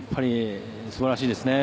素晴らしいですね。